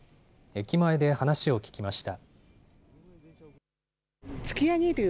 駅前で話を聞きました。